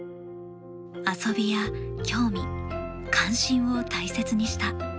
遊びや、興味、関心を大切にした。